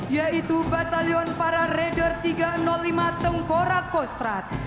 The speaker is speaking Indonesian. yaitu batalion para raider tiga ratus lima tengkora kostrat